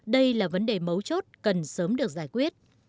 đây là vấn đề mấu chốt cần sớm được giải quyết